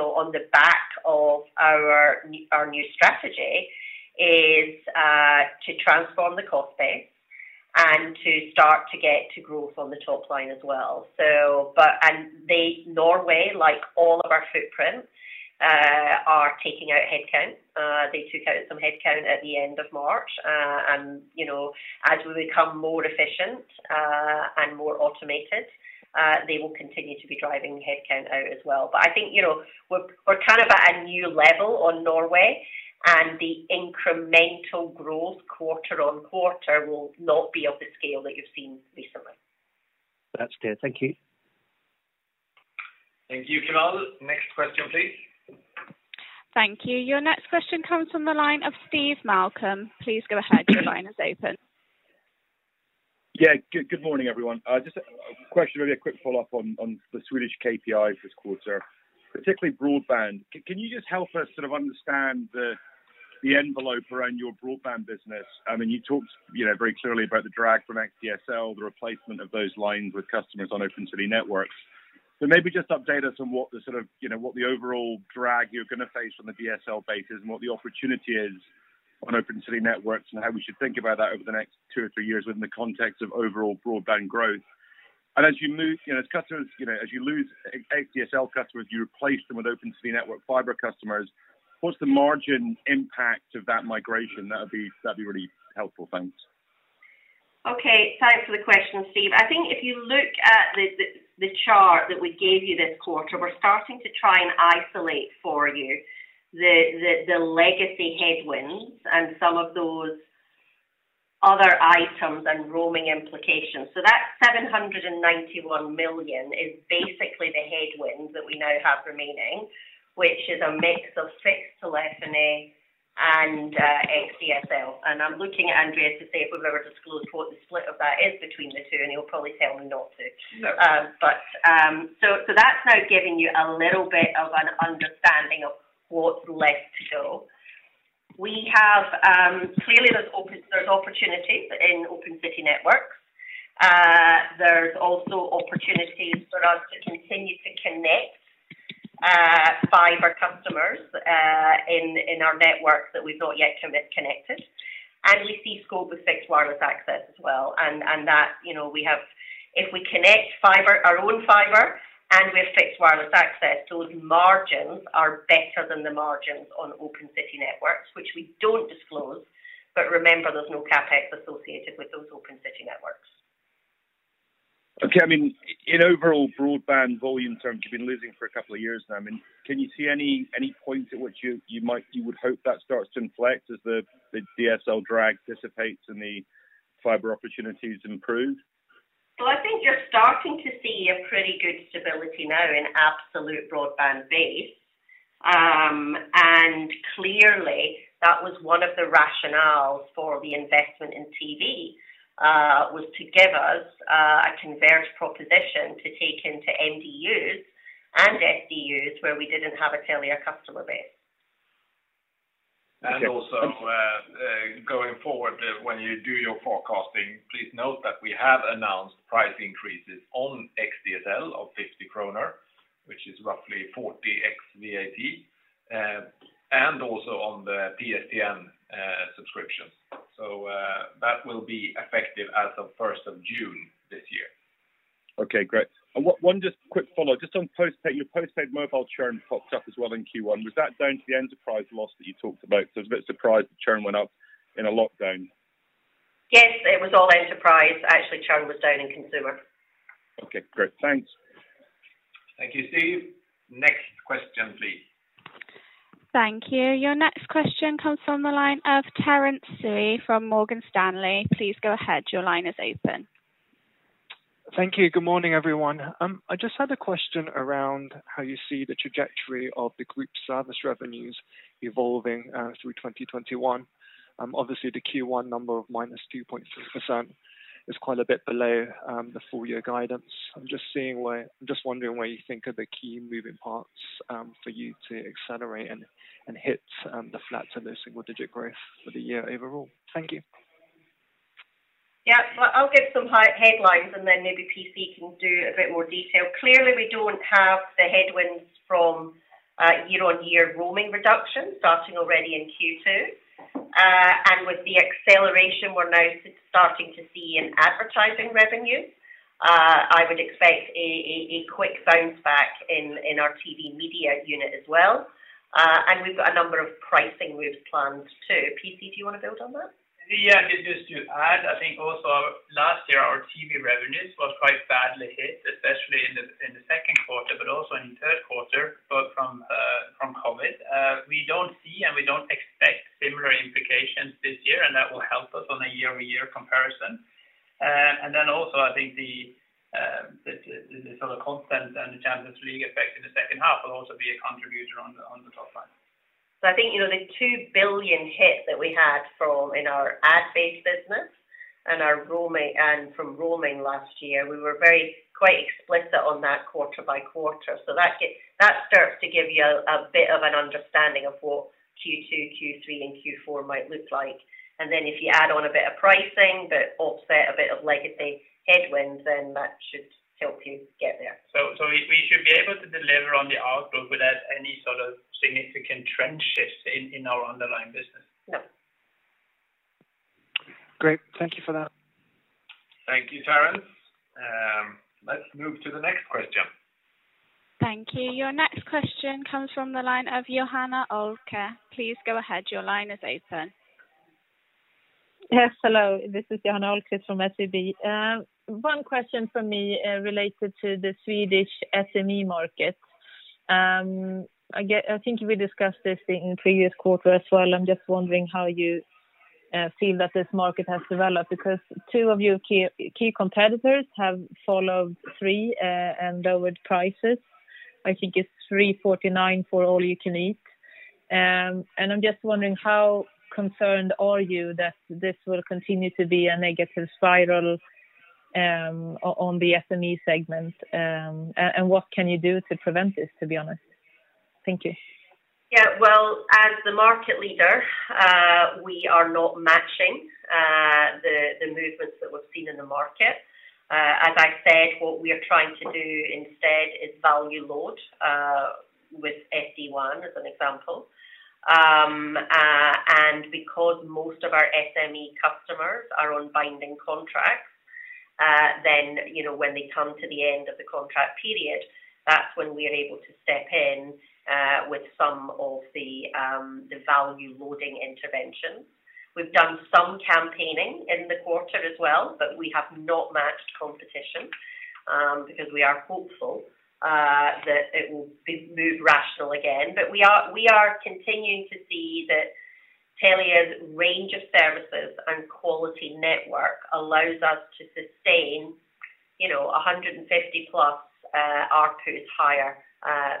on the back of our new strategy is to transform the cost base and to start to get to growth on the top line as well. They, Norway, like all of our footprints, are taking out headcount. They took out some headcount at the end of March. As we become more efficient and more automated, they will continue to be driving the headcount out as well. I think we're at a new level on Norway, and the incremental growth quarter on quarter will not be of the scale that you've seen recently. That's clear. Thank you. Thank you, Keval. Next question, please. Thank you. Your next question comes from the line of Steve Malcolm. Please go ahead. Your line is open. Yeah. Good morning, everyone. Just a question, really a quick follow-up on the Swedish KPI for this quarter, particularly broadband. Can you just help us sort of understand the envelope around your broadband business? I mean, you talked very clearly about the drag from XDSL, the replacement of those lines with customers on Open City Networks. Maybe just update us on what the overall drag you're going to face on the DSL base is and what the opportunity is on Open City Networks, and how we should think about that over the next two or three years within the context of overall broadband growth. As you lose XDSL customers, you replace them with Open City Network fiber customers. What's the margin impact of that migration? That'd be really helpful. Thanks. Okay. Thanks for the question, Steve. I think if you look at the chart that we gave you this quarter, we're starting to try and isolate for you the legacy headwinds and some of those other items and roaming implications. That 791 million is basically the headwinds that we now have remaining, which is a mix of fixed telephony and xDSL. I'm looking at Andreas to see if we've ever disclosed what the split of that is between the two, and he'll probably tell me not to. That's now giving you a little bit of an understanding of what's left to show. Clearly, there's opportunities in Open City Networks. There's also opportunities for us to continue to connect fiber customers in our networks that we've not yet connected. We see scope with fixed wireless access as well. If we connect our own fiber and with fixed wireless access, those margins are better than the margins on Open City Networks, which we don't disclose. Remember, there's no CapEx associated with those Open City Networks. Okay. I mean, in overall broadband volume terms, you've been losing for a couple of years now. Can you see any point at which you would hope that starts to inflect as the DSL drag dissipates and the fiber opportunities improve? Well, I think you're starting to see a pretty good stability now in absolute broadband base. Clearly, that was one of the rationales for the investment in TV, was to give us a converged proposition to take into MDUs and SDUs where we didn't have a Telia customer base. Also, going forward, when you do your forecasting, please note that we have announced price increases on xDSL of 50 kronor, which is roughly 40 ex VAT, and also on the PSTN subscriptions. That will be effective as of 1st of June this year. Okay, great. One just quick follow, just on your postpaid mobile churn popped up as well in Q1. Was that down to the enterprise loss that you talked about? Because I was a bit surprised the churn went up in a lockdown. Yes, it was all enterprise. Actually, churn was down in consumer. Okay, great. Thanks. Thank you, Steve. Next question, please. Thank you. Your next question comes from the line of Terence Tsui from Morgan Stanley. Please go ahead. Thank you. Good morning, everyone. I just had a question around how you see the trajectory of the group service revenues evolving through 2021. Obviously, the Q1 number of -2.6% is quite a bit below the full-year guidance. I am just wondering what you think are the key moving parts for you to accelerate and hit the flat to low single digit growth for the year overall. Thank you. Yeah. Well, I'll give some headlines and then maybe PC can do a bit more detail. Clearly, we don't have the headwinds from year-on-year roaming reduction starting already in Q2. With the acceleration we're now starting to see in advertising revenue, I would expect a quick bounce back in our TV media unit as well. We've got a number of pricing moves planned, too. PC, do you want to build on that? Just to add, I think also last year, our TV revenues was quite badly hit, especially in the second quarter, but also in the third quarter from COVID. We don't see and we don't expect similar implications this year, that will help us on a year-over-year comparison. Also I think the sort of content and the Champions League effect in the second half will also be a contributor on the top line. I think, the 2 billion hit that we had in our ad-based business and from roaming last year, we were very quite explicit on that quarter by quarter. That starts to give you a bit of an understanding of what Q2, Q3, and Q4 might look like. If you add on a bit of pricing that offset a bit of legacy headwinds, that should help you get there. We should be able to deliver on the outlook without any sort of significant trend shifts in our underlying business. Yep. Great. Thank you for that. Thank you, Terence. Let's move to the next question. Thank you. Your next question comes from the line of Johanna Ahlqvist. Please go ahead. Your line is open. Yes. Hello. This is Johanna Ahlqvist from SEB. One question from me, related to the Swedish SME market. I think we discussed this in previous quarter as well. I'm just wondering how you feel that this market has developed, because two of your key competitors have followed Tre and lowered prices. I think it's 349 for all you can eat. I'm just wondering how concerned are you that this will continue to be a negative spiral on the SME segment. What can you do to prevent this, to be honest? Thank you. Well, as the market leader, we are not matching the movements that we've seen in the market. As I said, what we are trying to do instead is value load, with SD-WAN as an example. Because most of our SME customers are on binding contracts, then when they come to the end of the contract period, that's when we're able to step in with some of the value loading interventions. We've done some campaigning in the quarter as well, but we have not matched competition, because we are hopeful that it will move rational again. We are continuing to see that Telia's range of services and quality network allows us to sustain 150+ ARPUs higher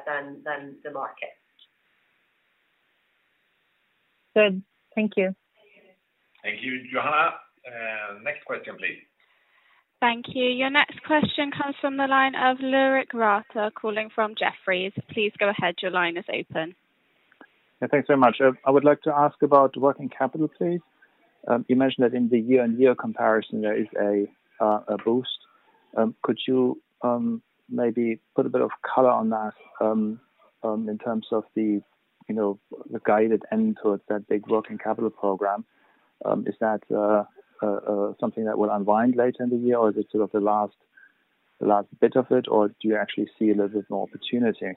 than the market. Good. Thank you. Thank you, Johanna. Next question, please. Thank you. Your next question comes from the line of Ulrich Rathe, calling from Jefferies. Please go ahead. Yeah. Thanks very much. I would like to ask about working capital, please. You mentioned that in the year-on-year comparison, there is a boost. Could you maybe put a bit of color on that in terms of the guided end towards that big working capital program? Is that something that will unwind later in the year, or is it sort of the last bit of it, or do you actually see a little bit more opportunity,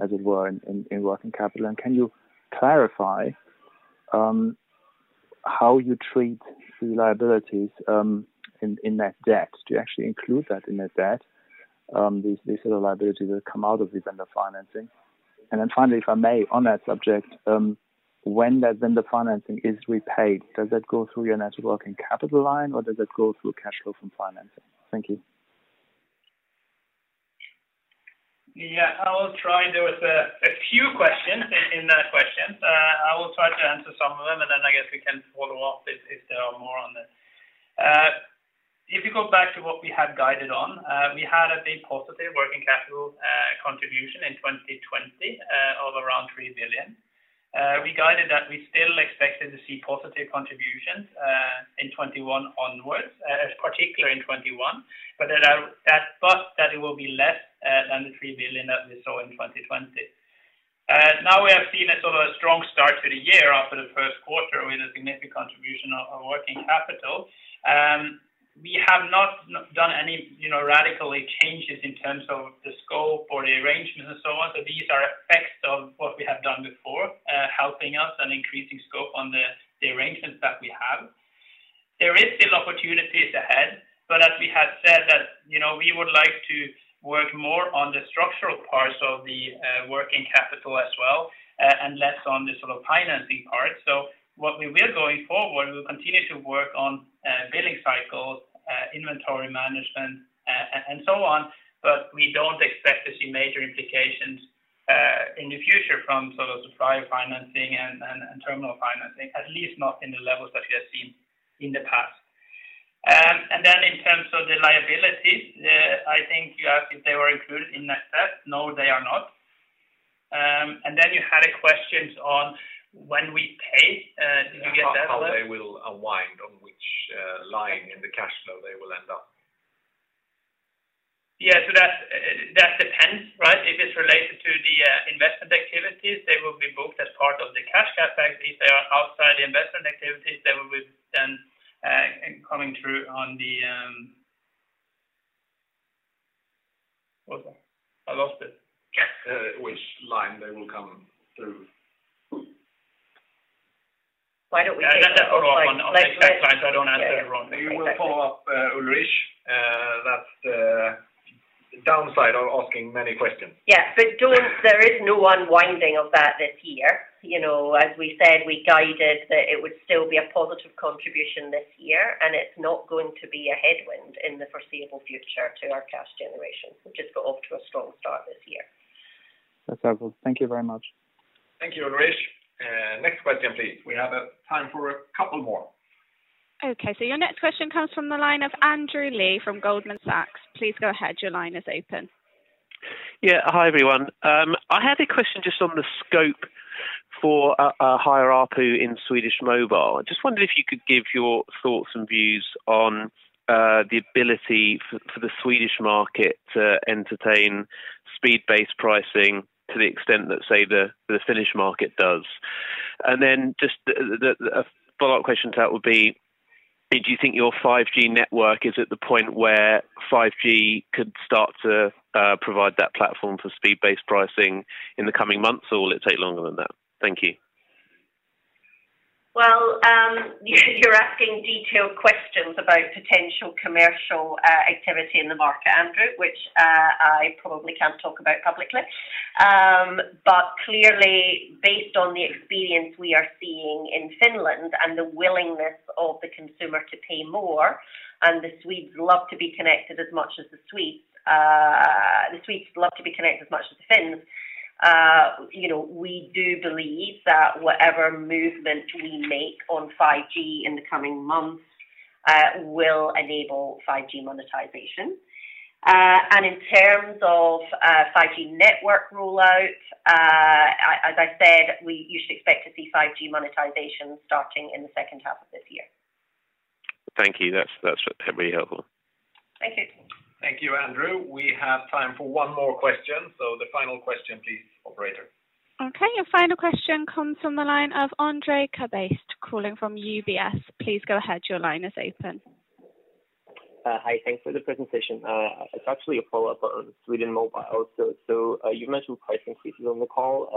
as it were, in working capital? Can you clarify how you treat the liabilities in net debt? Do you actually include that in net debt, these sort of liabilities that come out of the vendor financing? Finally, if I may, on that subject, when that vendor financing is repaid, does that go through your net working capital line, or does it go through cash flow from financing? Thank you. There was a few questions in that question. I will try to answer some of them. I guess we can follow up if there are more on this. If you go back to what we had guided on, we had a big positive working capital contribution in 2020 of around 3 billion. We guided that we still expected to see positive contributions in 2021 onwards, particularly in 2021. That it will be less than the 3 billion that we saw in 2020. We have seen a sort of a strong start to the year after the first quarter with a significant contribution of working capital. We have not done any radical changes in terms of the scope or the arrangement and so on. These are effects of what we have done before, helping us and increasing scope on the arrangements that we have. There is still opportunities ahead, but as we have said that we would like to work more on the structural parts of the working capital as well, and less on the sort of financing part. What we will going forward, we'll continue to work on billing cycles, inventory management, and so on. We don't expect to see major implications in the future from sort of supplier financing and terminal financing, at least not in the levels that we have seen in the past. In terms of the liabilities, I think you asked if they were included in net debt. No, they are not. You had a questions on when we pay. Did you get that? How they will unwind, on which line in the cash flow they will end up. Yeah. That depends, right? If it's related to the investment activities, they will be booked as part of the cash CapEx. If they are outside the investment activities, they will be then coming through on the. What was that? I lost it. Which line they will come through? Why don't we take. That's a follow-up offline, so I don't answer it wrongly. We will follow up, Ulrich. That's the downside of asking many questions. Yeah. There is no unwinding of that this year. As we said, we guided that it would still be a positive contribution this year, and it's not going to be a headwind in the foreseeable future to our cash generation, which has got off to a strong start this year. That's helpful. Thank you very much. Thank you, Ulrich. Next question, please. We have time for a couple more. Okay, your next question comes from the line of Andrew Lee from Goldman Sachs. Please go ahead. Your line is open. Yeah. Hi, everyone. I had a question just on the scope for a higher ARPU in Swedish mobile. I just wondered if you could give your thoughts and views on the ability for the Swedish market to entertain speed-based pricing to the extent that, say, the Finnish market does. Then just a follow-up question to that would be, do you think your 5G network is at the point where 5G could start to provide that platform for speed-based pricing in the coming months, or will it take longer than that? Thank you. Well, you're asking detailed questions about potential commercial activity in the market, Andrew, which I probably can't talk about publicly. Clearly, based on the experience we are seeing in Finland and the willingness of the consumer to pay more, and the Swedes love to be connected as much as the Finns. We do believe that whatever movement we make on 5G in the coming months will enable 5G monetization. In terms of 5G network rollout, as I said, you should expect to see 5G monetization starting in the second half of this year. Thank you. That's really helpful. Thank you. Thank you, Andrew. We have time for one more question. The final question, please, operator. Okay, your final question comes from the line of Andrej Kabat, calling from UBS. Please go ahead. Your line is open. Hi. Thanks for the presentation. It's actually a follow-up on Sweden Mobile. You mentioned price increases on the call,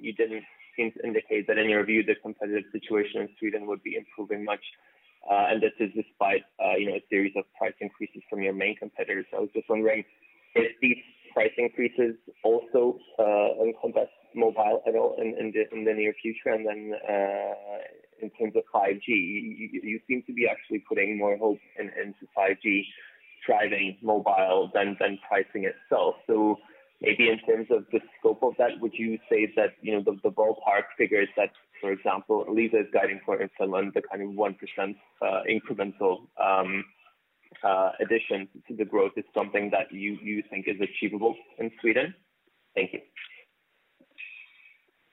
you didn't seem to indicate that in your view the competitive situation in Sweden would be improving much, and this is despite a series of price increases from your main competitors. I was just wondering if these price increases also encompass Mobile at all in the near future? In terms of 5G, you seem to be actually putting more hope into 5G driving Mobile than pricing itself. Maybe in terms of the scope of that, would you say that the ballpark figure is that, for example, Elisa is guiding for in Finland, the kind of 1% incremental addition to the growth is something that you think is achievable in Sweden? Thank you.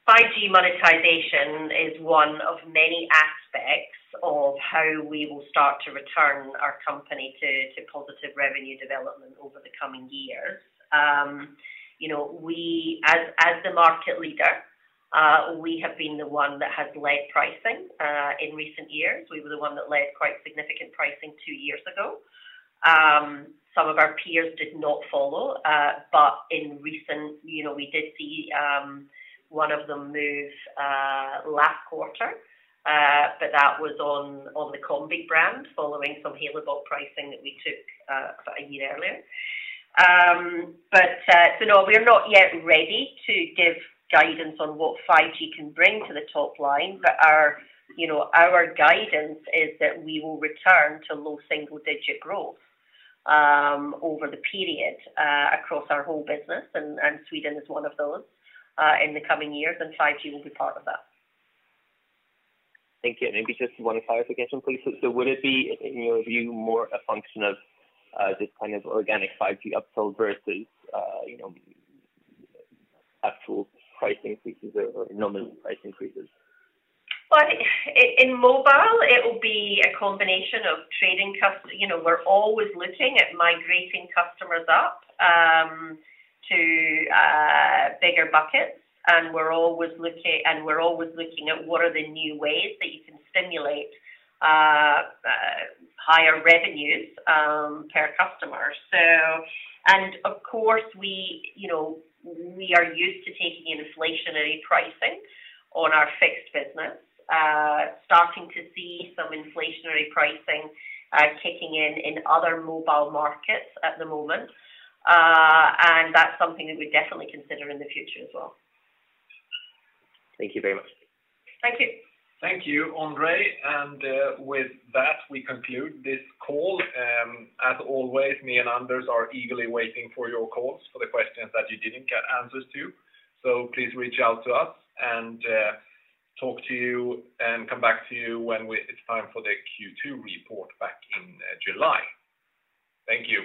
5G monetization is one of many aspects of how we will start to return our company to positive revenue development over the coming years. As the market leader, we have been the one that has led pricing in recent years. We were the one that led quite significant pricing two years ago. Some of our peers did not follow, but we did see one of them move last quarter. That was on the Comviq brand following some Halebop pricing that we took about a year earlier. No, we are not yet ready to give guidance on what 5G can bring to the top line, but our guidance is that we will return to low single-digit growth over the period across our whole business, and Sweden is one of those, in the coming years, and 5G will be part of that. Thank you. Maybe just one clarification, please. Would it be, in your view, more a function of this kind of organic 5G upsell versus actual pricing increases or nominal price increases? Well, in mobile, it will be a combination of trading. We're always looking at migrating customers up to bigger buckets, and we're always looking at what are the new ways that you can stimulate higher revenues per customer. Of course, we are used to taking inflationary pricing on our fixed business. Starting to see some inflationary pricing kicking in in other mobile markets at the moment. That's something that we'd definitely consider in the future as well. Thank you very much. Thank you. Thank you, Andrej. With that, we conclude this call. As always, me and Andreas are eagerly waiting for your calls for the questions that you didn't get answers to. Please reach out to us, and talk to you and come back to you when it's time for the Q2 report back in July. Thank you.